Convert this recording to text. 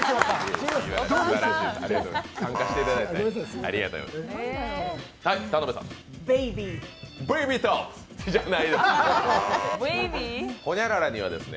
参加していただいてありがとうございます。